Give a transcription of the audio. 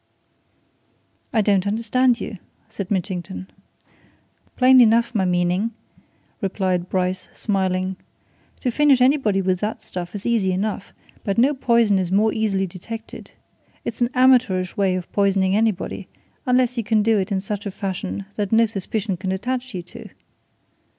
"I don't understand you," said Mitchington. "Plain enough my meaning," replied Bryce, smiling. "To finish anybody with that stuff is easy enough but no poison is more easily detected. It's an amateurish way of poisoning anybody unless you can do it in such a fashion that no suspicion can attach you to.